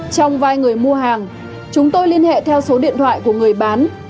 trong vai người mua hàng chúng tôi liên hệ theo số điện thoại của người bán